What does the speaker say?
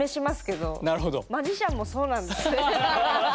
マジシャンもそうなんですね。